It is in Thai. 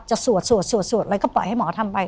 สวดสวดแล้วก็ปล่อยให้หมอทำไป